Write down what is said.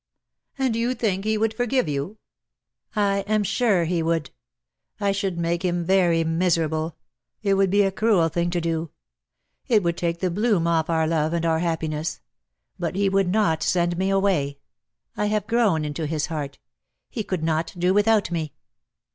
"And you think he would forgive you?" "I am sure he would. I should make him very miserable; it would be a cruel thing to do. It would take the bloom off our love and our happiness; but he would not send me away. I have grown into his heart. He could not do without me."